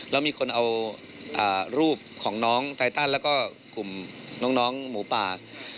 แล้วมีคนเอารูปของน้องไทตันแล้วก็กลุ่มน้องหมูป่า